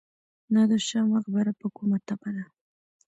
نادر شاه مقبره په کومه تپه ده؟